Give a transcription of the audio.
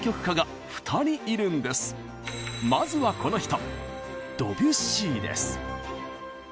まずはこの人！